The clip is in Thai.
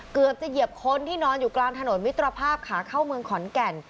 เกือบจะเหยียบคนที่นอนกลางถนนมิตรภาพข่าวเมืองขอนกัล